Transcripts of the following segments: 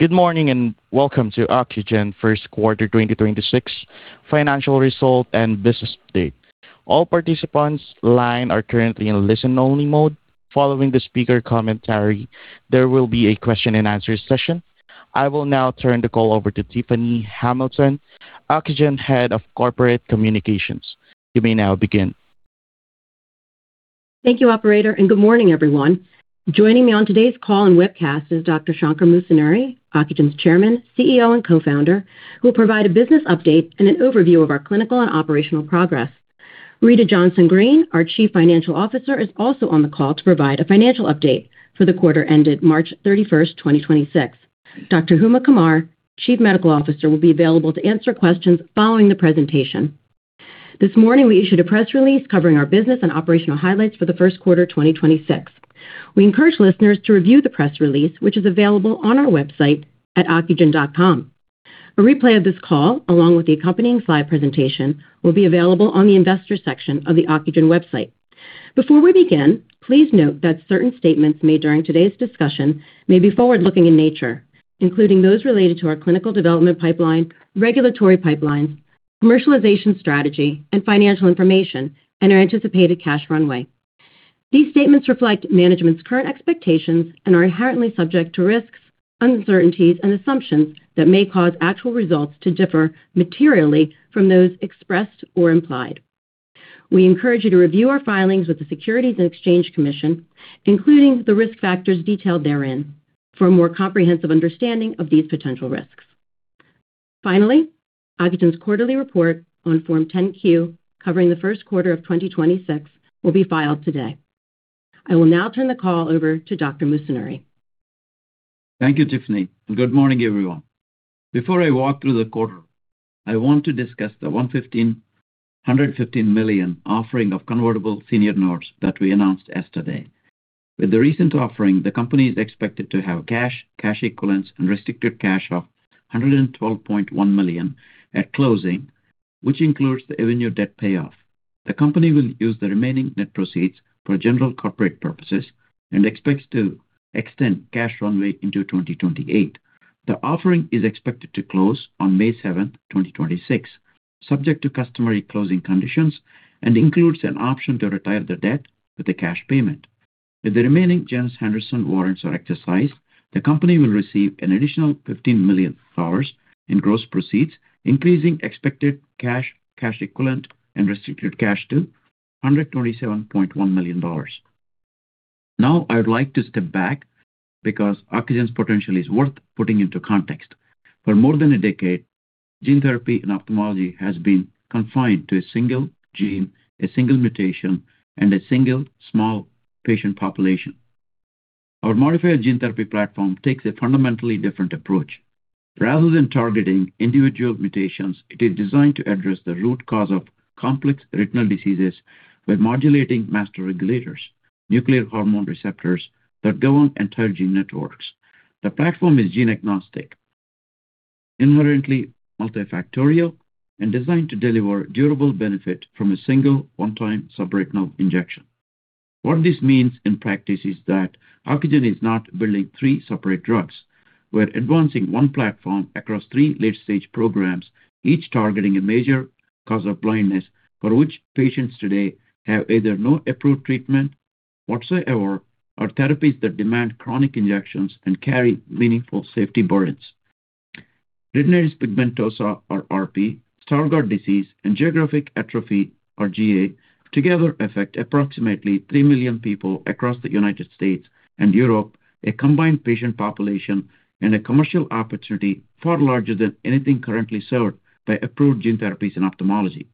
Good morning. Welcome to Ocugen first quarter 2026 financial results and business update. All participants' lines are currently in listen-only mode. Following the speaker commentary, there will be a question-and-answer session. I will now turn the call over to Tiffany Hamilton, Ocugen Head of Corporate Communications. You may now begin. Thank you, operator. Good morning, everyone. Joining me on today's call and webcast is Dr. Shankar Musunuri, Ocugen's Chairman, CEO and Co-founder, who will provide a business update and an overview of our clinical and operational progress. Rita Johnson-Greene, our Chief Financial Officer, is also on the call to provide a financial update for the quarter ended March 31st, 2026. Dr. Huma Qamar, Chief Medical Officer, will be available to answer questions following the presentation. This morning, we issued a press release covering our business and operational highlights for the first quarter 2026. We encourage listeners to review the press release, which is available on our website at ocugen.com. A replay of this call, along with the accompanying slide presentation, will be available on the investors section of the Ocugen website. Before we begin, please note that certain statements made during today's discussion may be forward-looking in nature, including those related to our clinical development pipeline, regulatory pipelines, commercialization strategy and financial information, and our anticipated cash runway. These statements reflect management's current expectations and are inherently subject to risks, uncertainties and assumptions that may cause actual results to differ materially from those expressed or implied. We encourage you to review our filings with the Securities and Exchange Commission, including the risk factors detailed therein, for a more comprehensive understanding of these potential risks. Finally, Ocugen's quarterly report on Form 10-Q, covering the first quarter of 2026, will be filed today. I will now turn the call over to Dr. Musunuri. Thank you, Tiffany, and good morning, everyone. Before I walk through the quarter, I want to discuss the $115 million offering of convertible senior notes that we announced yesterday. With the recent offering, the company is expected to have cash equivalents and restricted cash of $112.1 million at closing, which includes the Avenue debt payoff. The company will use the remaining net proceeds for general corporate purposes and expects to extend cash runway into 2028. The offering is expected to close on May 7, 2026, subject to customary closing conditions, and includes an option to retire the debt with a cash payment. If the remaining Jones Henderson warrants are exercised, the company will receive an additional $15 million in gross proceeds, increasing expected cash equivalent and restricted cash to $127.1 million. I would like to step back because Ocugen's potential is worth putting into context. For more than a a decade, gene therapy and ophthalmology has been confined to a single gene, a single mutation, and a single small patient population. Our modified gene therapy platform takes a fundamentally different approach. Rather than targeting individual mutations, it is designed to address the root cause of complex retinal diseases by modulating master regulators, nuclear hormone receptors that govern entire gene networks. The platform is gene-agnostic, inherently multifactorial, and designed to deliver durable benefit from a single one-time subretinal injection. What this means in practice is that Ocugen is not building three separate drugs. We're advancing one platform across three late-stage programs, each targeting a major cause of blindness for which patients today have either no approved treatment whatsoever or therapies that demand chronic injections and carry meaningful safety burdens. retinitis pigmentosa or RP, Stargardt disease, and geographic atrophy or GA together affect approximately three million people across the United States and Europe, a combined patient population and a commercial opportunity far larger than anything currently served by approved gene therapies in ophthalmology.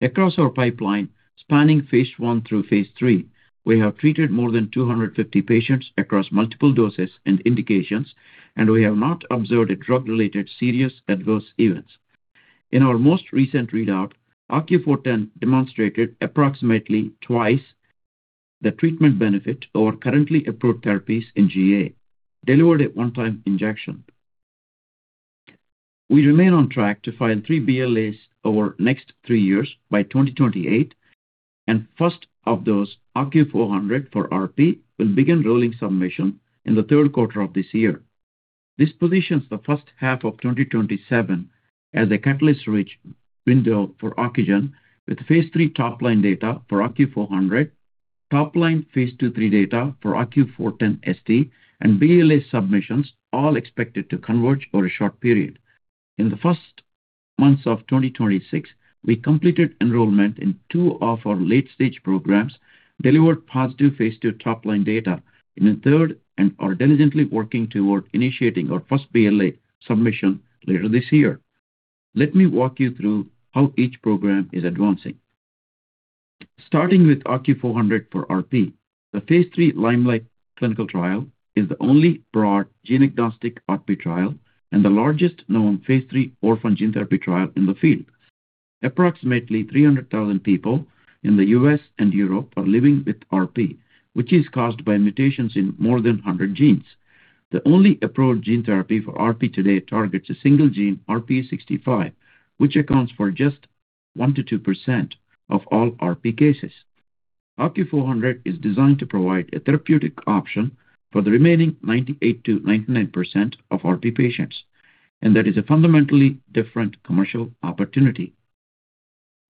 Across our pipeline, spanning phase I through phase III, we have treated more than 250 patients across multiple doses and indications, and we have not observed a drug-related serious adverse events. In our most recent readout, OCU410 demonstrated approximately twice the treatment benefit over currently approved therapies in GA, delivered at one-time injection. We remain on track to file three BLAs over next three years by 2028, and first of those, OCU400 for RP, will begin rolling submission in the third quarter of this year. This positions the first half of 2027 as a catalyst-rich window for Ocugen with phase III top-line data for OCU400, phase II/III data for OCU410ST, and BLA submissions all expected to converge over a short period. In the first months of 2026, we completed enrollment in two of our late-stage programs, delivered positive phase II top-line data in a third, and are diligently working toward initiating our first BLA submission later this year. Let me walk you through how each program is advancing. Starting with OCU400 for RP, the phase III liMeliGhT clinical trial is the only broad gene-agnostic RP trial and the largest known phase III orphan gene therapy trial in the field. Approximately 300,000 people in the U.S. and Europe are living with RP, which is caused by mutations in more than 100 genes. The only approved gene therapy for RP today targets a single gene, RPE65, which accounts for just 1%-2% of all RP cases. OCU400 is designed to provide a therapeutic option for the remaining 98%-99% of RP patients, and that is a fundamentally different commercial opportunity.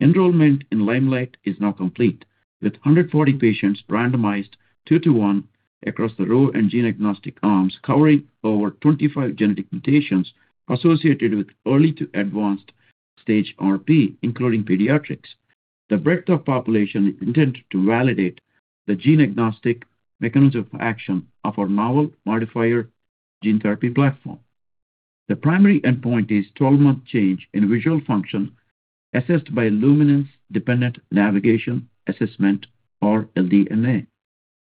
Enrollment in liMeliGhT is now complete, with 140 patients randomized two to one across the RHO and gene-agnostic arms, covering over 25 genetic mutations associated with early to advanced stage RP, including pediatrics. The breadth of population is intended to validate the gene-agnostic mechanism of action of our novel modifier gene therapy platform. The primary endpoint is 12-month change in visual function assessed by luminance dependent navigation assessment, or LDNA.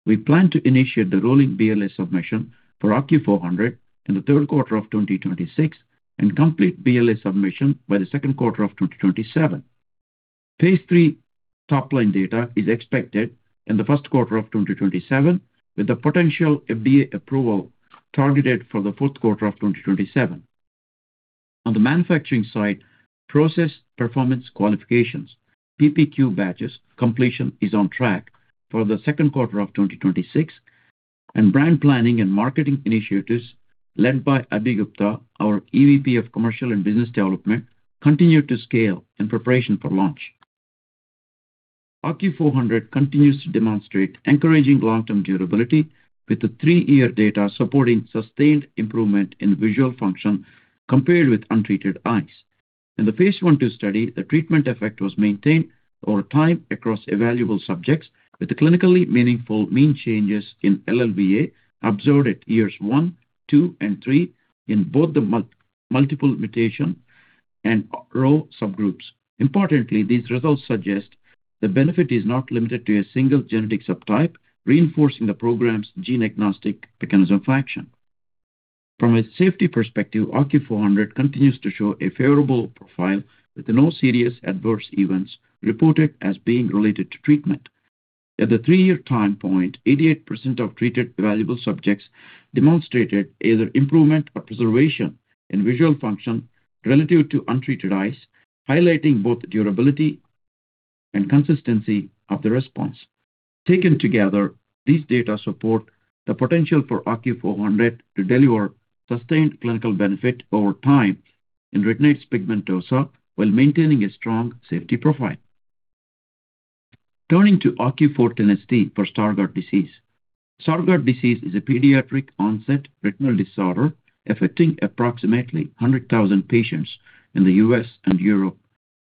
We plan to initiate the rolling BLA submission for OCU400 in the third quarter of 2026 and complete BLA submission by the second quarter of 2027. Phase III top-line data is expected in the first quarter of 2027, with a potential FDA approval targeted for the fourth quarter of 2027. On the manufacturing side, process performance qualifications, PPQ batches completion is on track for the second quarter of 2026. Brand planning and marketing initiatives led by Abhi Gupta, our EVP of Commercial and Business Development, continue to scale in preparation for launch. OCU400 continues to demonstrate encouraging long-term durability with the three-year data supporting sustained improvement in visual function compared with untreated eyes. In phase I/II study, the treatment effect was maintained over time across evaluable subjects, with the clinically meaningful mean changes in LLVA observed at years one, two, and three in both the multiple mutation and RHO subgroups. Importantly, these results suggest the benefit is not limited to a single genetic subtype, reinforcing the program's gene-agnostic mechanism of action. From a safety perspective, OCU400 continues to show a favorable profile with no serious adverse events reported as being related to treatment. At the three-year time point, 88% of treated evaluable subjects demonstrated either improvement or preservation in visual function relative to untreated eyes, highlighting both the durability and consistency of the response. Taken together, these data support the potential for OCU400 to deliver sustained clinical benefit over time in retinitis pigmentosa while maintaining a strong safety profile. Turning to OCU410ST for Stargardt disease. Stargardt disease is a pediatric-onset retinal disorder affecting approximately 100,000 patients in the U.S. and Europe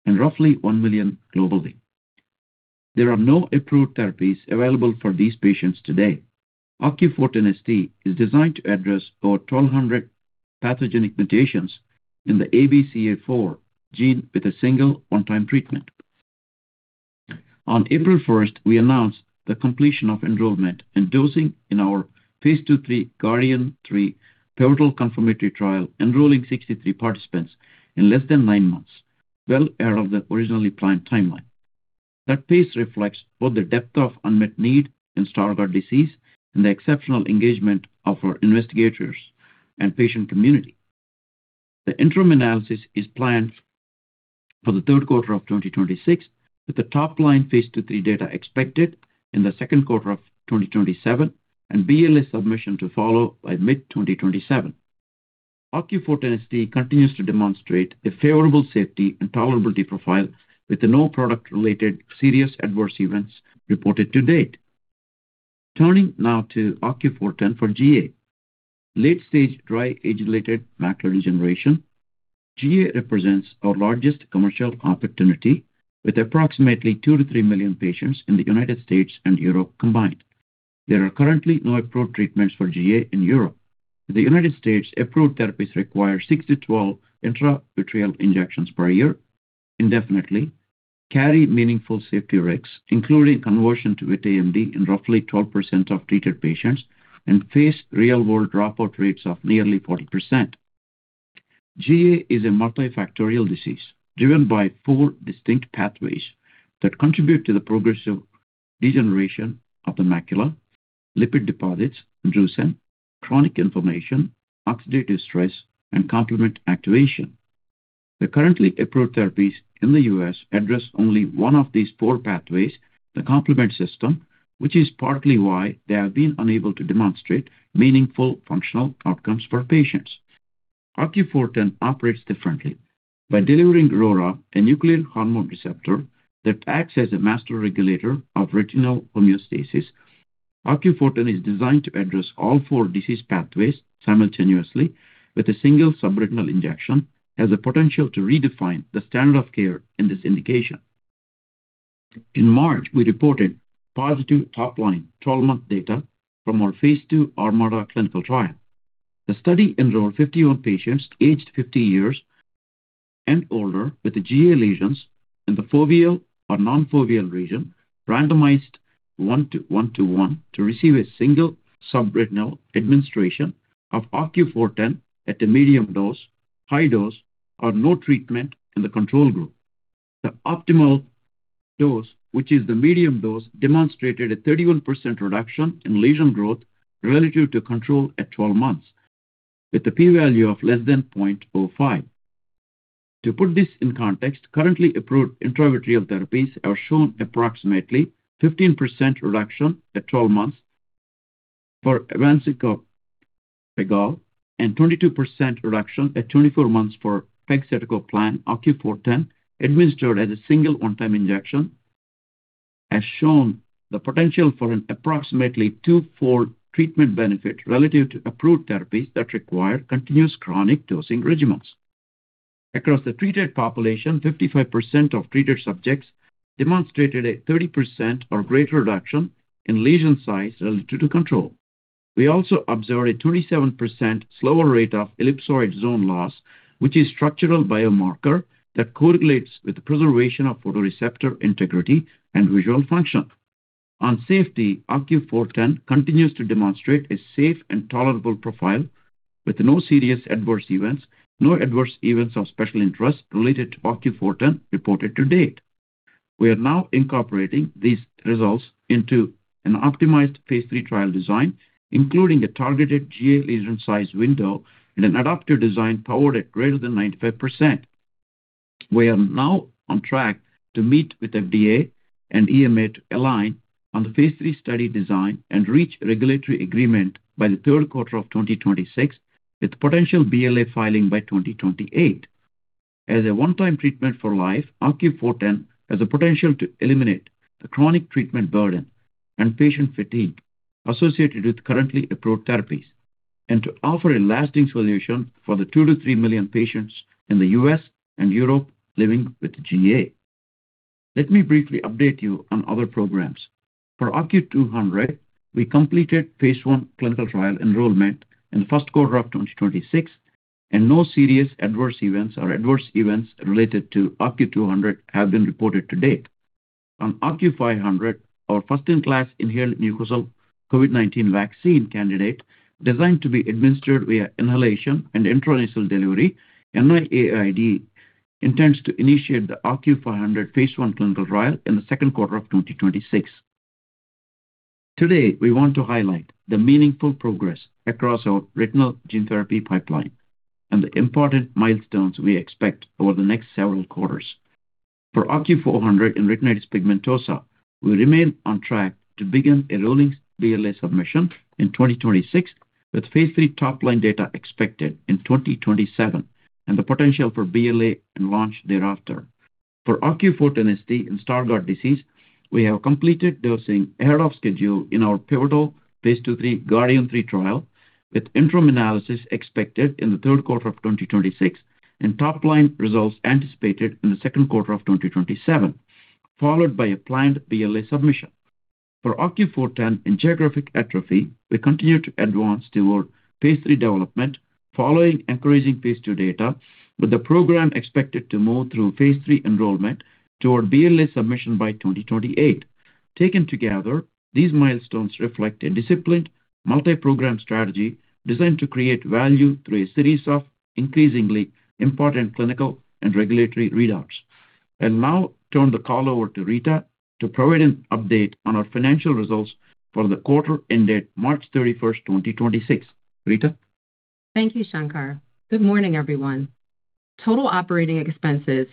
and roughly one million globally. There are no approved therapies available for these patients today. OCU410ST is designed to address over 1,200 pathogenic mutations in the ABCA4 gene with a single one-time treatment. On April 1st, we announced the completion of enrollment and dosing in phase II/III GARDian3 pivotal confirmatory trial, enrolling 63 participants in less than nine months, well ahead of the originally planned timeline. That pace reflects both the depth of unmet need in Stargardt disease and the exceptional engagement of our investigators and patient community. The interim analysis is planned for third quarter of 2026, with the phase II/III data expected in the second quarter of 2027, and BLA submission to follow by mid-2027. OCU410ST continues to demonstrate a favorable safety and tolerability profile, with no product-related serious adverse events reported to date. Turning now to OCU410 for GA. Late-stage dry age-related macular degeneration, GA represents our largest commercial opportunity, with approximately two million-three million patients in the United States and Europe combined. There are currently no approved treatments for GA in Europe. In the United States, approved therapies require six to 12 intravitreal injections per year indefinitely, carry meaningful safety risks, including conversion to wet AMD in roughly 12% of treated patients, and face real-world dropout rates of nearly 40%. GA is a multifactorial disease driven by four distinct pathways that contribute to the progressive degeneration of the macula, lipid deposits, drusen, chronic inflammation, oxidative stress, and complement activation. The currently approved therapies in the U.S. address only one of these four pathways, the complement system, which is partly why they have been unable to demonstrate meaningful functional outcomes for patients. OCU410 operates differently. By delivering RORA, a nuclear hormone receptor that acts as a master regulator of retinal homeostasis, OCU410 is designed to address all four disease pathways simultaneously with a single subretinal injection, has the potential to redefine the standard of care in this indication. In March, we reported positive top-line 12-month data from our phase II ArMaDa clinical trial. The study enrolled 51 patients aged 50 years and older with the GA lesions in the foveal or non-foveal region, randomized 1:1:1 to receive a single subretinal administration of OCU410 at the medium dose, high dose, or no treatment in the control group. The optimal dose, which is the medium dose, demonstrated a 31% reduction in lesion growth relative to control at 12 months, with a P value of less than 0.05. To put this in context, currently approved intravitreal therapies have shown approximately 15% reduction at 12 months for avacincaptad pegol and 22% reduction at 24 months for pegcetacoplan. OCU410, administered as a single one-time injection, has shown the potential for an approximately two-fold treatment benefit relative to approved therapies that require continuous chronic dosing regimens. Across the treated population, 55% of treated subjects demonstrated a 30% or greater reduction in lesion size relative to control. We also observed a 27% slower rate of ellipsoid zone loss, which is structural biomarker that correlates with preservation of photoreceptor integrity and visual function. On safety, OCU410 continues to demonstrate a safe and tolerable profile with no serious adverse events, no adverse events of special interest related to OCU410 reported to date. We are now incorporating these results into an optimized phase III trial design, including a targeted GA lesion size window and an adaptive design powered at greater than 95%. We are now on track to meet with FDA and EMA to align on the phase III study design and reach regulatory agreement by the third quarter of 2026, with potential BLA filing by 2028. As a one-time treatment for life, OCU410 has the potential to eliminate the chronic treatment burden and patient fatigue associated with currently approved therapies and to offer a lasting solution for the two million to three million patients in the U.S. and Europe living with GA. Let me briefly update you on other programs. For OCU200, we completed phase I clinical trial enrollment in the first quarter of 2026, and no serious adverse events or adverse events related to OCU200 have been reported to date. On OCU500, our first-in-class inhaled mucosal COVID-19 vaccine candidate designed to be administered via inhalation and intranasal delivery, NIAID intends to initiate the OCU500 phase I clinical trial in the second quarter of 2026. Today, we want to highlight the meaningful progress across our retinal gene therapy pipeline and the important milestones we expect over the next several quarters. For OCU400 in retinitis pigmentosa, we remain on track to begin a rolling BLA submission in 2026, with phase III top-line data expected in 2027, and the potential for BLA and launch thereafter. For OCU410ST in Stargardt disease, we have completed dosing ahead of schedule in our pivotal phase II/III GARDian3 trial, with interim analysis expected in the third quarter of 2026 and top-line results anticipated in the second quarter of 2027, followed by a planned BLA submission. For OCU410 in geographic atrophy, we continue to advance toward phase III development following encouraging phase II data, with the program expected to move through phase III enrollment toward BLA submission by 2028. Taken together, these milestones reflect a disciplined multi-program strategy designed to create value through a series of increasingly important clinical and regulatory readouts. I'll now turn the call over to Rita to provide an update on our financial results for the quarter ended March 31, 2026. Rita? Thank you, Shankar. Good morning, everyone. Total operating expenses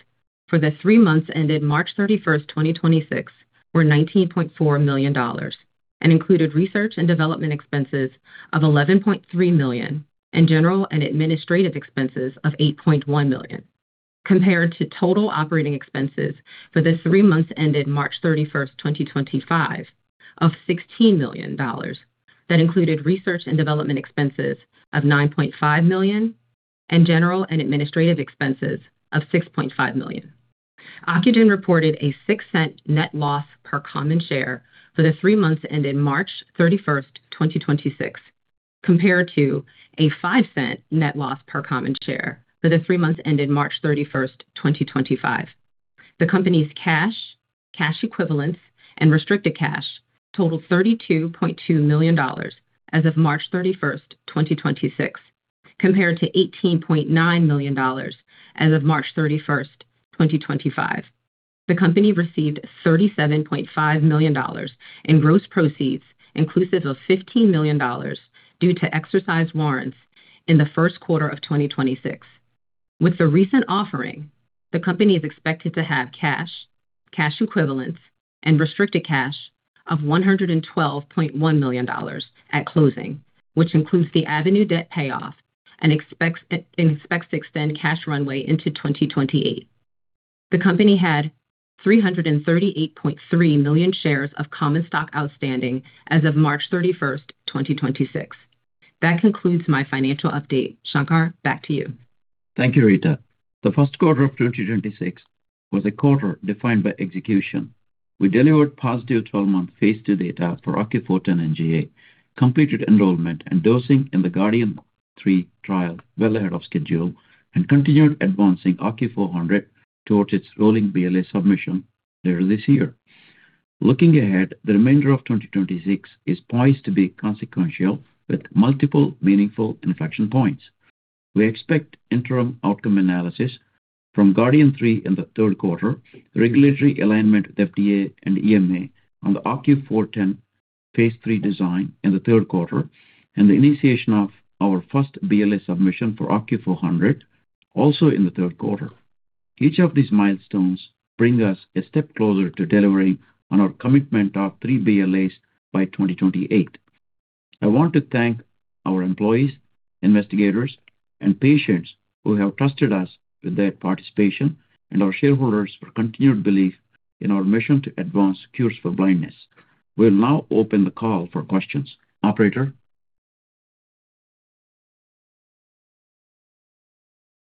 for the three months ended March 31st, 2026, were $19.4 million and included research and development expenses of $11.3 million and general and administrative expenses of $8.1 million, compared to total operating expenses for the three months ended March 31st, 2025, of $16 million that included research and development expenses of $9.5 million and general and administrative expenses of $6.5 million. Ocugen reported a $0.06 net loss per common share for the three months ended March 31st, 2026, compared to a $0.05 net loss per common share for the three months ended March 31st, 2025. The company's cash equivalents and restricted cash totaled $32.2 million as of March 31st, 2026, compared to $18.9 million as of March 31st, 2025. The company received $37.5 million in gross proceeds, inclusive of $15 million due to exercised warrants in the first quarter of 2026. With the recent offering, the company is expected to have cash equivalents, and restricted cash of $112.1 million at closing, which includes the avenue debt payoff and expects to extend cash runway into 2028. The company had 338.3 million shares of common stock outstanding as of March 31st, 2026. That concludes my financial update. Shankar, back to you. Thank you, Rita. The first quarter of 2026 was a quarter defined by execution. We delivered positive 12-month phase II data for OCU410 in GA, completed enrollment and dosing in the GARDian3 trial well ahead of schedule, and continued advancing OCU400 towards its rolling BLA submission earlier this year. Looking ahead, the remainder of 2026 is poised to be consequential with multiple meaningful inflection points. We expect interim outcome analysis from GARDian3 in the third quarter, regulatory alignment with FDA and EMA on the OCU410 phase III design in the third quarter and the initiation of our first BLA submission for OCU400 also in the third quarter. Each of these milestones bring us a step closer to delivering on our commitment of three BLAs by 2028. I want to thank our employees, investigators and patients who have trusted us with their participation and our shareholders for continued belief in our mission to advance cures for blindness. We'll now open the call for questions. Operator?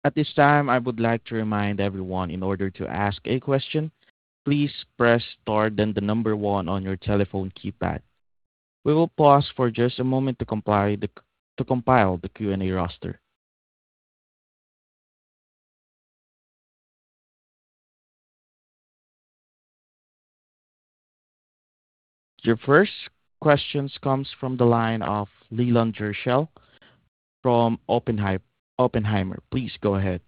At this time, I would like to remind everyone in order to ask a question, please press star then the number one on your telephone keypad. We will pause for just a moment to compile the Q&A roster. Your first questions comes from the line of Leland Gershell from Oppenheimer. Please go ahead.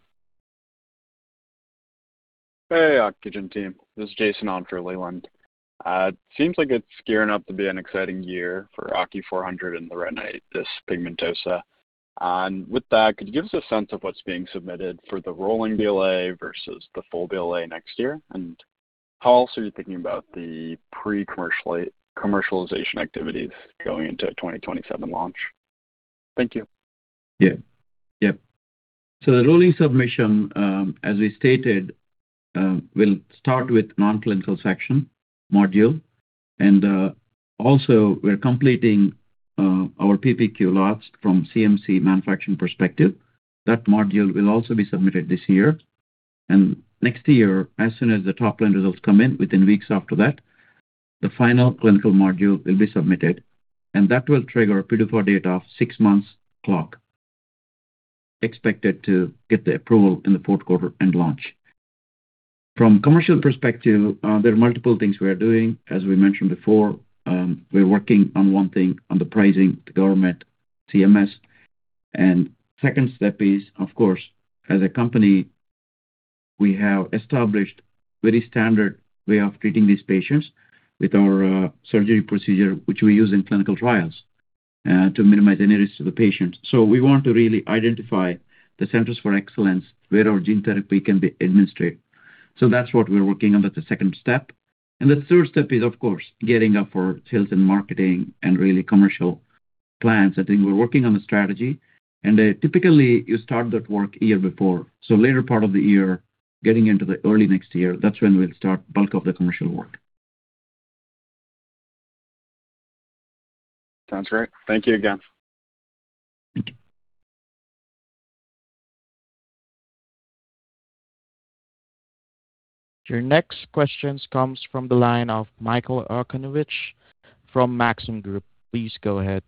Hey, Ocugen team. This is Jason on for Leland. It seems like it's gearing up to be an exciting year for OCU400 and the retinitis pigmentosa. With that, could you give us a sense of what's being submitted for the rolling BLA versus the full BLA next year? How also are you thinking about the pre-commercialization activities going into 2027 launch? Thank you. Yeah. Yep. The rolling submission, as we stated, will start with non-clinical section module. Also we're completing our PPQ lots from CMC manufacturing perspective. That module will also be submitted this year. Next year, as soon as the top-line results come in within weeks after that, the final clinical module will be submitted, and that will trigger a PDUFA date of six months clock. Expected to get the approval in the fourth quarter and launch. From commercial perspective, there are multiple things we are doing. As we mentioned before, we're working on one thing on the pricing with the government CMS. Second step is, of course, as a company, we have established very standard way of treating these patients with our surgery procedure, which we use in clinical trials, to minimize any risk to the patient. We want to really identify the centers for excellence where our gene therapy can be administered. That's what we're working on as the second step. The third step is, of course, getting up for sales and marketing and really commercial plans. I think we're working on the strategy. Typically you start that work year before. Later part of the year, getting into the early next year, that's when we'll start bulk of the commercial work. Sounds great. Thank you again. Your next questions comes from the line of Michael Okunewitch from Maxim Group. Please go ahead.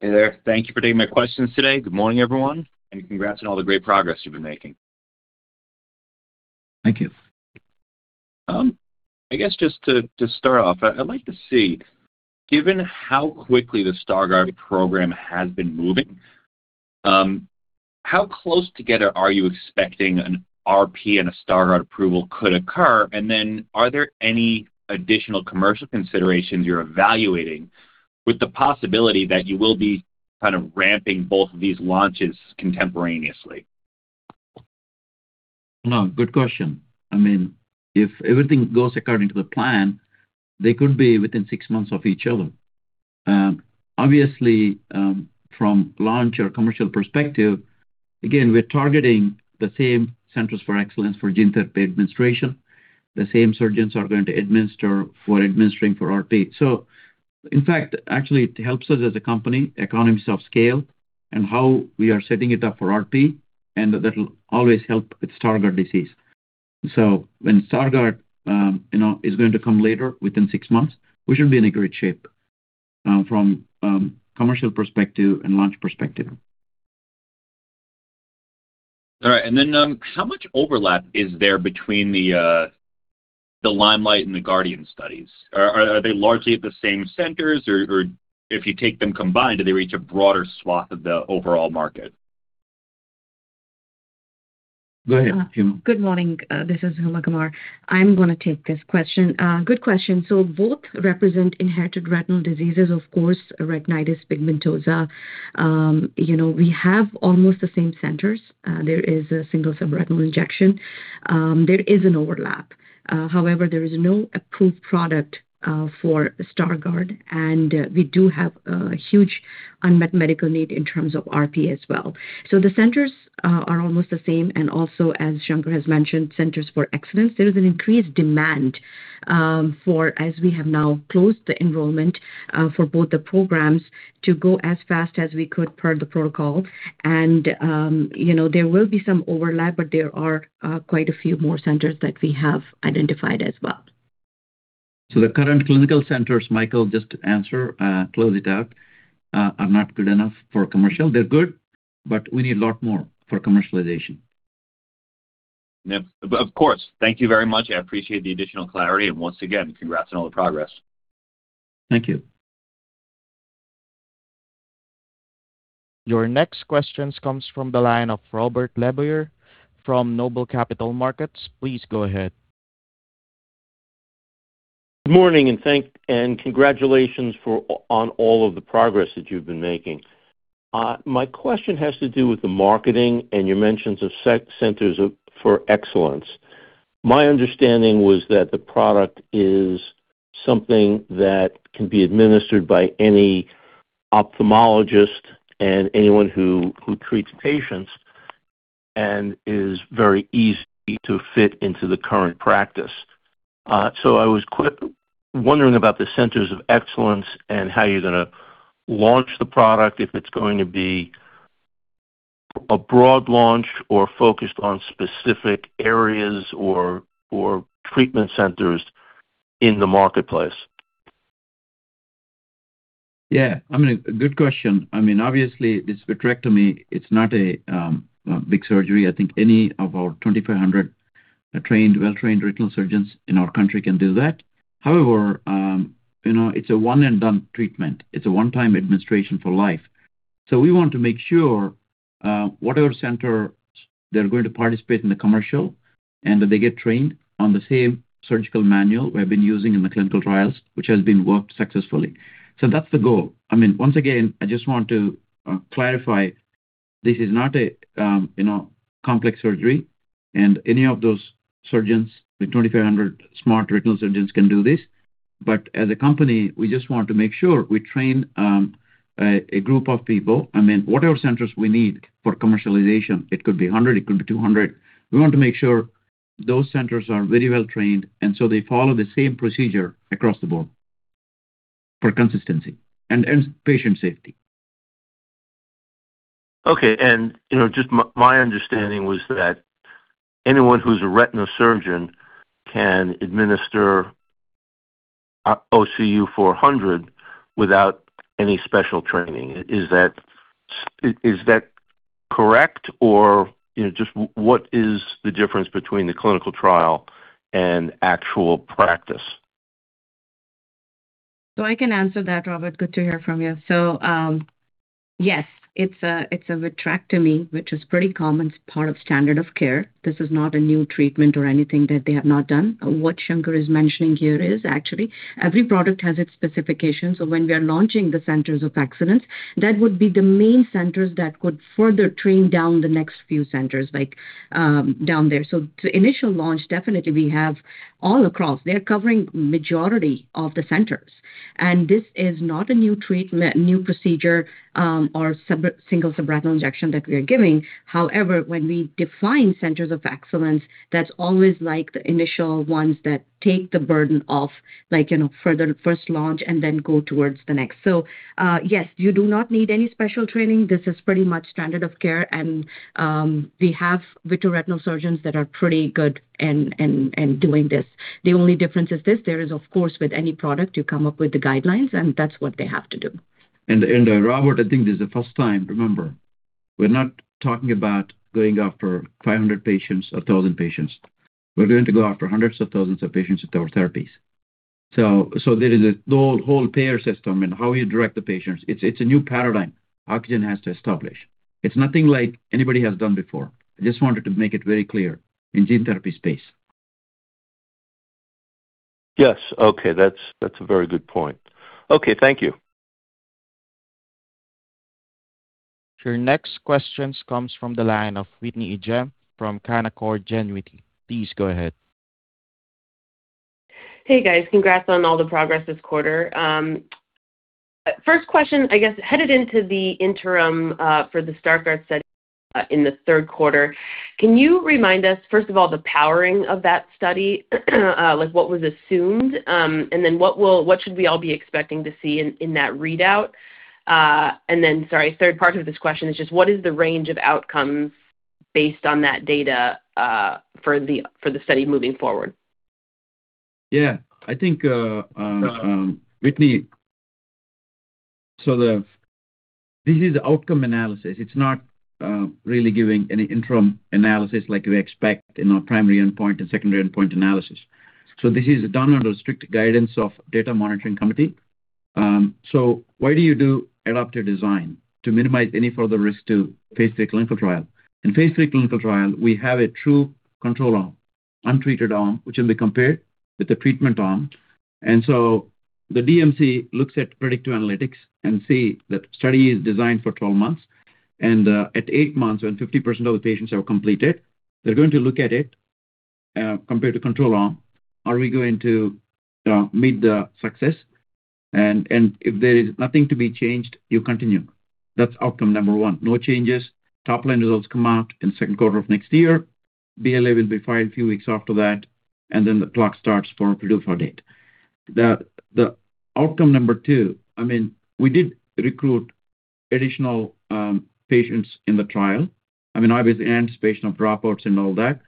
Hey there. Thank you for taking my questions today. Good morning, everyone. Congrats on all the great progress you've been making. Thank you. I guess just to start off, I'd like to see, given how quickly the Stargardt program has been moving, how close together are you expecting an RP and a Stargardt approval could occur? Then are there any additional commercial considerations you're evaluating with the possibility that you will be kind of ramping both of these launches contemporaneously? No, good question. I mean, if everything goes according to the plan, they could be within six months of each other. Obviously, from launch or commercial perspective, again, we're targeting the same centers for excellence for gene therapy administration. The same surgeons are going to administer for administering for RP. In fact, actually, it helps us as a company, economies of scale and how we are setting it up for RP, and that'll always help with Stargardt disease. When Stargardt, you know, is going to come later within six months, we should be in a great shape, from commercial perspective and launch perspective. All right. How much overlap is there between the liMeliGhT and the GARDian3 studies? Are they largely at the same centers or if you take them combined, do they reach a broader swath of the overall market? Go ahead, Huma. Good morning. This is Huma Qamar. I'm gonna take this question. Good question. Both represent inherited retinal diseases, of course, retinitis pigmentosa. You know, we have almost the same centers. There is a single subretinal injection. There is an overlap. However, there is no approved product for Stargardt, and we do have a huge unmet medical need in terms of RP as well. The centers are almost the same, and also, as Shankar has mentioned, centers for excellence. There is an increased demand for as we have now closed the enrollment for both the programs to go as fast as we could per the protocol. You know, there will be some overlap, but there are quite a few more centers that we have identified as well. The current clinical centers, Michael, just to answer, close it out, are not good enough for commercial. They're good, but we need a lot more for commercialization. Yeah. Of course. Thank you very much. I appreciate the additional clarity. Once again, congrats on all the progress. Thank you. Your next questions comes from the line of Robert LeBoyer from Noble Capital Markets. Please go ahead. Good morning, and congratulations on all of the progress that you've been making. My question has to do with the marketing and your mentions of centers of excellence. My understanding was that the product is something that can be administered by any ophthalmologist and anyone who treats patients and is very easy to fit into the current practice. I was wondering about the centers of excellence and how you're gonna launch the product, if it's going to be a broad launch or focused on specific areas or treatment centers in the marketplace? Yeah. I mean, good question. I mean, obviously, this vitrectomy, it's not a big surgery. I think any of our 2,400 trained, well-trained retinal surgeons in our country can do that. However, you know, it's a one-and-done treatment. It's a one-time administration for life. We want to make sure whatever centers that are going to participate in the commercial and that they get trained on the same surgical manual we have been using in the clinical trials, which has been worked successfully. That's the goal. I mean, once again, I just want to clarify, this is not a, you know, complex surgery, and any of those surgeons, the 2,400 smart retinal surgeons can do this. As a company, we just want to make sure we train a group of people. I mean, whatever centers we need for commercialization, it could be 100, it could be 200, we want to make sure those centers are very well-trained, and so they follow the same procedure across the board for consistency and patient safety. Okay. You know, just my understanding was that anyone who's a retinal surgeon can administer OCU400 without any special training. Is that correct or, you know, just what is the difference between the clinical trial and actual practice? I can answer that, Robert. Good to hear from you. Yes, it's a vitrectomy, which is pretty common. It's part of standard of care. This is not a new treatment or anything that they have not done. What Shankar is mentioning here is actually every product has its specifications. When we are launching the centers of excellence, that would be the main centers that could further train down the next few centers, like down there. The initial launch, definitely we have all across. They're covering majority of the centers. This is not a new treatment, new procedure, or single subretinal injection that we are giving. However, when we define centers of excellence, that's always like the initial ones that take the burden off, like, you know, for the first launch and then go towards the next. Yes, you do not need any special training. This is pretty much standard of care. We have vitreoretinal surgeons that are pretty good in doing this. The only difference is this. There is, of course, with any product, you come up with the guidelines, and that's what they have to do. Robert, I think this is the first time remember, we're not talking about going after 500 patients or 1,000 patients. We're going to go after hundreds of thousands of patients with our therapies. There is a whole payer system and how you direct the patients. It's a new paradigm Ocugen has to establish. It's nothing like anybody has done before. I just wanted to make it very clear in gene therapy space. Yes. Okay. That's a very good point. Okay, thank you. Your next questions comes from the line of Whitney Ijem from Canaccord Genuity. Please go ahead. Hey, guys. Congrats on all the progress this quarter. First question, I guess headed into the interim for the Stargardt study in the third quarter, can you remind us, first of all, the powering of that study? Like, what was assumed, what should we all be expecting to see in that readout? Sorry, third part of this question is just what is the range of outcomes based on that data for the study moving forward? Yeah. I think, Whitney, this is outcome analysis. It's not really giving any interim analysis like we expect in our primary endpoint and secondary endpoint analysis. This is done under strict guidance of data monitoring committee. Why do you do adaptive design? To minimize any further risk to phase III clinical trial. In phase III clinical trial, we have a true control arm, untreated arm, which will be compared with the treatment arm. The DMC looks at predictive analytics and see that study is designed for 12 months. At eight months, when 50% of the patients have completed, they're going to look at it, compared to control arm. Are we going to meet the success? If there is nothing to be changed, you continue. That's outcome number one. No changes. Top line results come out in the second quarter of next year. BLA will be filed few weeks after that, and then the clock starts for PDUFA date. The outcome number two, I mean, we did recruit additional patients in the trial. I mean, obviously, anticipation of dropouts and all that.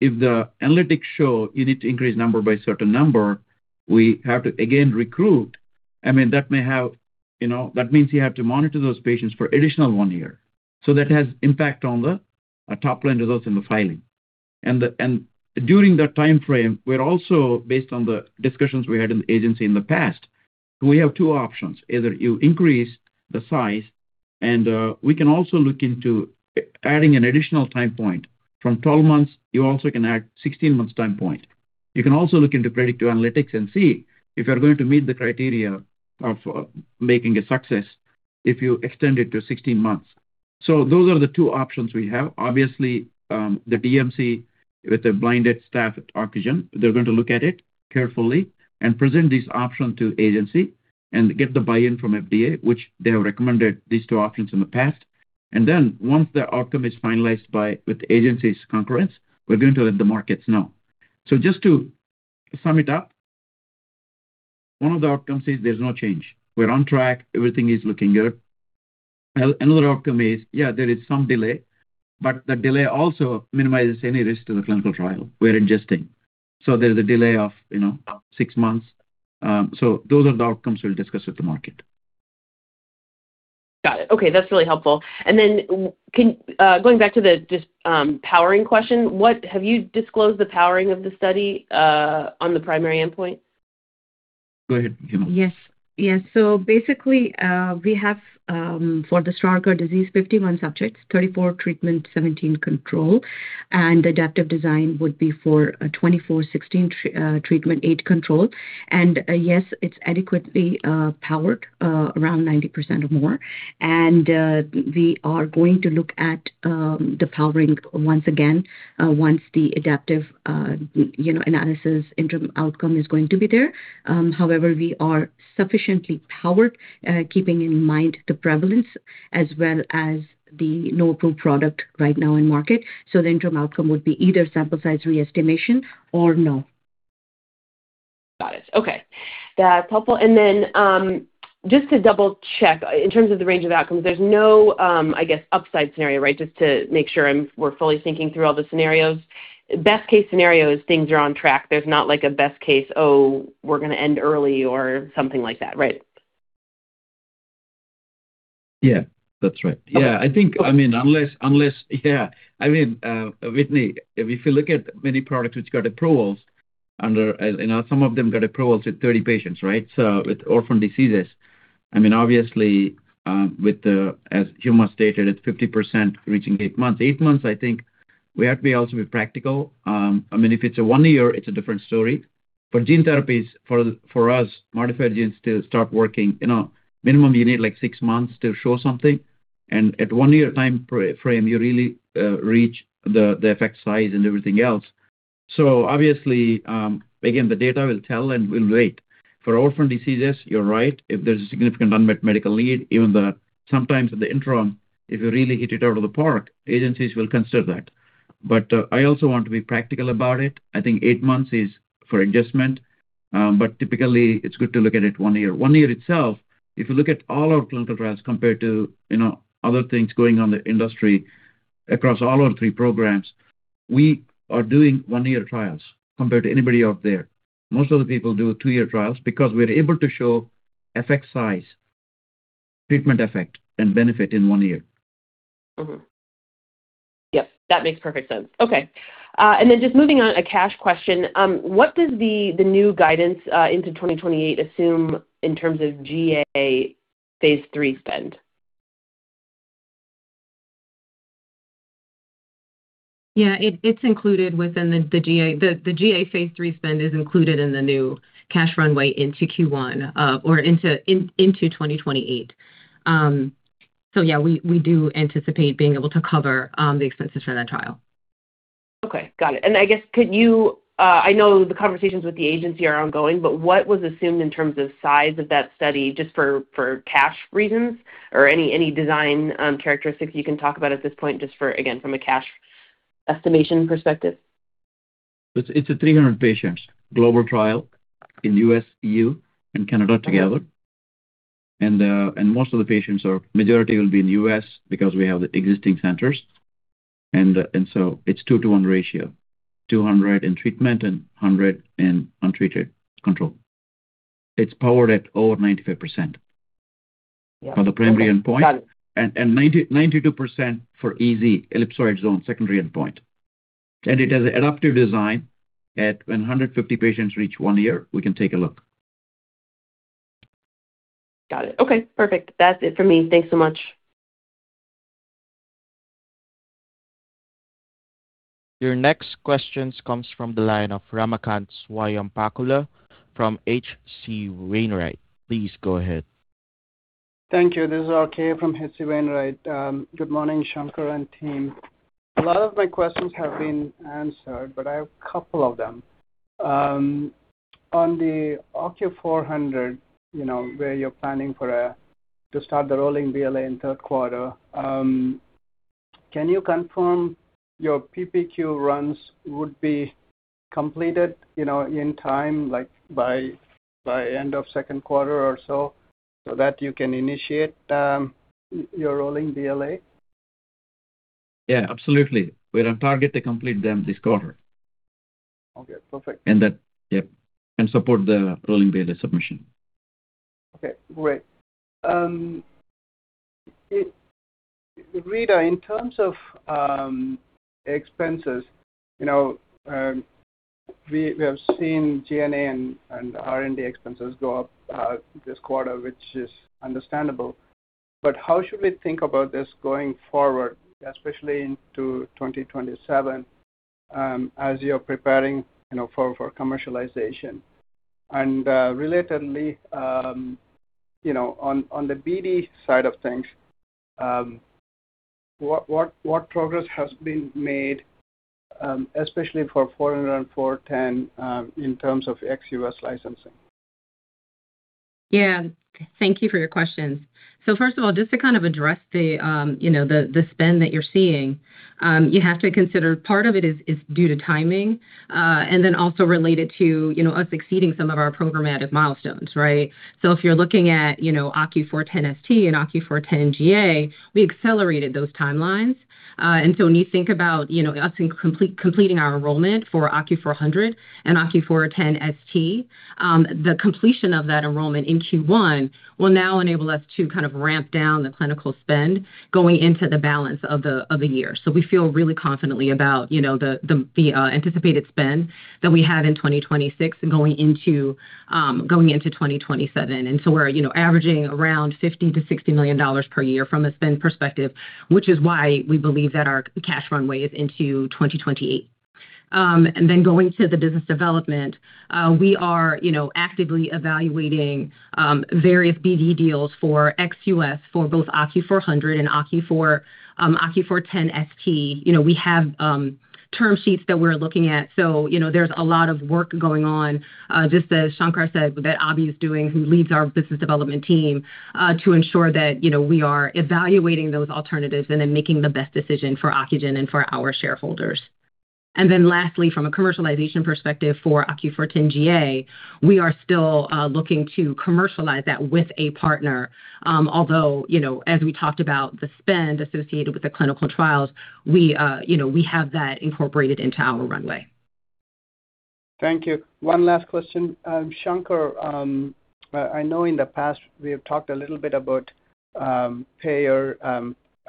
If the analytics show you need to increase number by a certain number, we have to again recruit. I mean, that may have, you know, that means you have to monitor those patients for additional one year. That has impact on the Top line results in the filing. During that timeframe, we're also, based on the discussions we had in the agency in the past, we have two options. Either you increase the size and we can also look into adding an additional time point. From 12 months, you also can add 16 months time point. You can also look into predictive analytics and see if you're going to meet the criteria of making a success if you extend it to 16 months. Those are the two options we have. Obviously, the DMC with the blinded staff at Ocugen, they're going to look at it carefully and present this option to agency and get the buy-in from FDA, which they have recommended these two options in the past. Once the outcome is finalized with the agency's concurrence, we're going to let the markets know. Just to sum it up, one of the outcomes is there's no change. We're on track. Everything is looking good. Another outcome is, there is some delay, but the delay also minimizes any risk to the clinical trial we're adjusting. There's a delay of, you know, six months. Those are the outcomes we'll discuss with the market. Got it. Okay, that's really helpful. Going back to the powering question, what Have you disclosed the powering of the study on the primary endpoint? Go ahead, Huma. Yes. Yes. Basically, we have for the Stargardt disease, 51 subjects, 34 treatment, 17 control. Adaptive design would be for 24, 16 treatment, eight control. Yes, it's adequately powered around 90% or more. We are going to look at the powering once again once the adaptive, you know, analysis interim outcome is going to be there. However, we are sufficiently powered keeping in mind the prevalence as well as the no approved product right now in market. The interim outcome would be either sample size re-estimation or no. Got it. Okay. That's helpful. Then, just to double-check, in terms of the range of outcomes, there's no, I guess, upside scenario, right? Just to make sure we're fully thinking through all the scenarios. Best case scenario is things are on track. There's not, like a best case, oh, we're gonna end early or something like that, right? Yeah, that's right. Yeah, I think unless Whitney, if you look at many products which got approvals under, you know, some of them got approvals with 30 patients, right? With orphan diseases. Obviously, with the, as Huma stated, it's 50% reaching eight months. Eight months, I think we have to be also be practical. If it's a one year, it's a different story. For gene therapies, for us, modified genes to start working, you know, minimum you need, like six months to show something. At one year timeframe, you really reach the effect size and everything else. Obviously, again, the data will tell, and we'll wait. For orphan diseases, you're right. If there's a significant unmet medical need, sometimes in the interim, if you really hit it out of the park, agencies will consider that. I also want to be practical about it. I think eight months is for adjustment. Typically it's good to look at it one year. One year itself, if you look at all our clinical trials compared to, you know, other things going on in the industry across all our three programs, we are doing one-year trials compared to anybody out there. Most of the people do two-year trials because we're able to show effect size, treatment effect, and benefit in one year. Mm-hmm. Yep. That makes perfect sense. Okay. Then just moving on, a cash question. What does the new guidance into 2028 assume in terms of GA phase III spend? Yeah. It's included within the GA. The GA phase III spend is included in the new cash runway into Q1 or into 2028. Yeah, we do anticipate being able to cover the expenses for that trial. Okay. Got it. I guess could you, I know the conversations with the agency are ongoing, but what was assumed in terms of size of that study just for cash reasons or any design characteristics you can talk about at this point, just for, again, from a cash estimation perspective? It's a 300 patients global trial in U.S., EU, and Canada together. Most of the patients or majority will be in the U.S. because we have the existing centers. It's a two-to-one ratio. 200 in treatment and 100 in untreated control. It's powered at over 95%. Okay. Got it. for the primary endpoint. 92% for EZ, ellipsoid zone, secondary endpoint. It has adaptive design. At 150 patients reach one year, we can take a look. Got it. Okay. Perfect. That's it for me. Thanks so much. Your next questions comes from the line of Ramakanth Swayampakula from H.C. Wainwright. Please go ahead. Thank you. This is RK from H.C. Wainwright. Good morning, Shankar and team. A lot of my questions have been answered, but I have a couple of them. On the OCU400, you know, where you're planning for to start the rolling BLA in third quarter, can you confirm your PPQ runs would be completed, you know, in time, like by end of second quarter or so that you can initiate your rolling BLA? Yeah, absolutely. We're on target to complete them this quarter. Okay, perfect. That, yeah, and support the rolling data submission. Okay, great. Rita, in terms of expenses, you know, we have seen G&A and R&D expenses go up this quarter, which is understandable. How should we think about this going forward, especially into 2027, as you're preparing, you know, for commercialization? Relatedly, you know, on the BD side of things, what progress has been made, especially for OCU400 and OCU410, in terms of ex-U.S. licensing? Yeah. Thank you for your questions. First of all, just to kind of address the, you know, the spend that you're seeing, you have to consider part of it is due to timing, and then also related to, you know, us exceeding some of our programmatic milestones, right? If you're looking at, you know, OCU410ST and OCU410 GA, we accelerated those timelines. When you think about, you know, us completing our enrollment for OCU400 and OCU410ST, the completion of that enrollment in Q1 will now enable us to kind of ramp down the clinical spend going into the balance of the, of the year. We feel really confidently about, you know, the anticipated spend that we have in 2026 and going into 2027. We're, you know, averaging around $50 million-$60 million per year from a spend perspective, which is why we believe that our cash runway is into 2028. Going to the business development, we are, you know, actively evaluating various BD deals for ex-U.S. for both OCU400 and OCU410ST. You know, we have term sheets that we're looking at, so you know, there's a lot of work going on, just as Shankar said, that Abhi is doing, who leads our business development team, to ensure that, you know, we are evaluating those alternatives and then making the best decision for Ocugen and for our shareholders. Lastly, from a commercialization perspective for OCU410 GA, we are still looking to commercialize that with a partner. Although, you know, as we talked about the spend associated with the clinical trials, we, you know, we have that incorporated into our runway. Thank you. One last question. Shankar, I know in the past we have talked a little bit about payers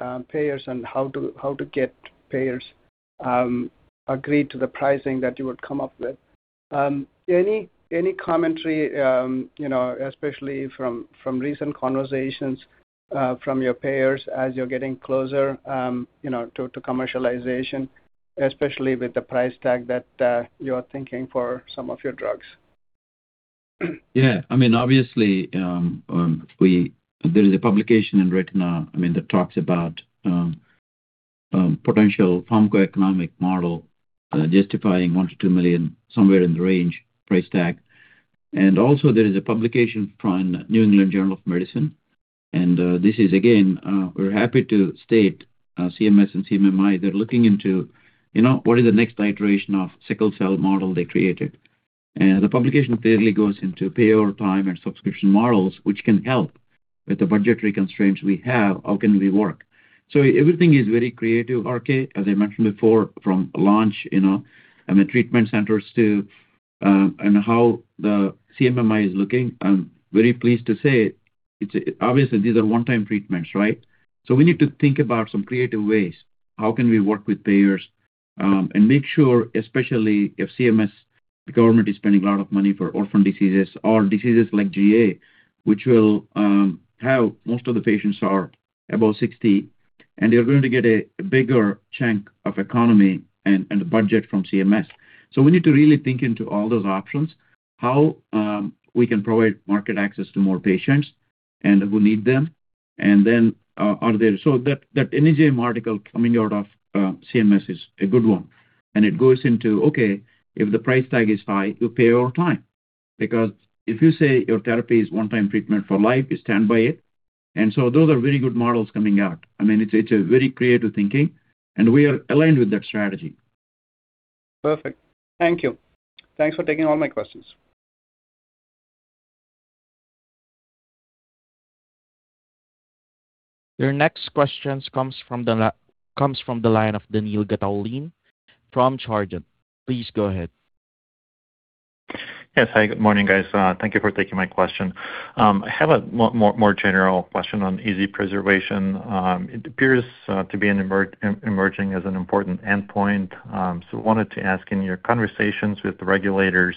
and how to get payers agreed to the pricing that you would come up with. Any commentary, you know, especially from recent conversations from your payers as you're getting closer, you know, to commercialization, especially with the price tag that you're thinking for some of your drugs? I mean, obviously, there is a publication in RETINA, I mean, that talks about potential pharmacoeconomic model, justifying $1 million-$2 million, somewhere in the range, price tag. Also, there is a publication from The New England Journal of Medicine. This is again, we're happy to state, CMS and CMMI, they're looking into, you know, what is the next iteration of sickle cell model they created. The publication clearly goes into payer time and subscription models, which can help with the budgetary constraints we have, how can we work? Everything is very creative, RK, as I mentioned before, from launch, you know, I mean, treatment centers to, and how the CMMI is looking. I'm very pleased to say it's, obviously these are one-time treatments, right? We need to think about some creative ways, how can we work with payers, and make sure, especially if CMS, the government is spending a lot of money for orphan diseases or diseases like GA, which will have most of the patients are above 60, and they're going to get a bigger chunk of economy and budget from CMS. We need to really think into all those options, how we can provide market access to more patients and who need them. That NEJM article coming out of CMS is a good one. It goes into, okay, if the price tag is high, you pay over time. Because if you say your therapy is one-time treatment for life, you stand by it. Those are very good models coming out. I mean, it's a very creative thinking. We are aligned with that strategy. Perfect. Thank you. Thanks for taking all my questions. Your next questions comes from the line of Daniil Gataulin from Chardan. Please go ahead. Yes. Hi, good morning, guys. Thank you for taking my question. I have a more general question on EZ Preservation. It appears to be emerging as an important endpoint. Wanted to ask, in your conversations with the regulators,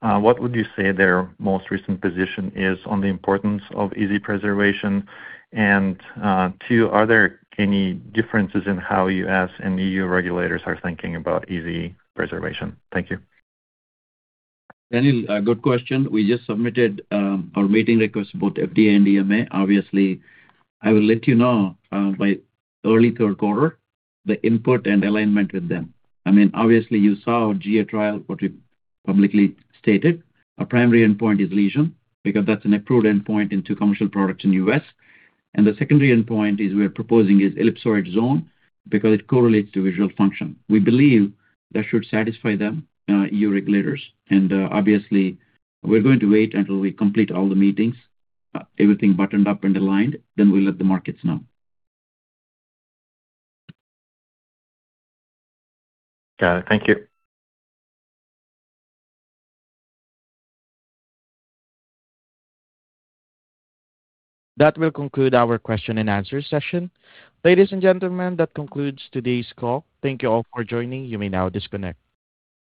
what would you say their most recent position is on the importance of EZ Preservation? Two, are there any differences in how U.S. and EU regulators are thinking about EZ Preservation? Thank you. Daniil, good question. We just submitted our meeting request to both FDA and EMA. Obviously, I will let you know by early third quarter the input and alignment with them. I mean, obviously you saw GA trial, what we publicly stated. Our primary endpoint is lesion because that's an approved endpoint in two commercial products in the U.S. The secondary endpoint is we're proposing is ellipsoid zone because it correlates to visual function. We believe that should satisfy them, EU regulators. Obviously, we're going to wait until we complete all the meetings, everything buttoned up and aligned, then we'll let the markets know. Got it. Thank you. That will conclude our question and answer session. Ladies and gentlemen, that concludes today's call. Thank you all for joining. You may now disconnect.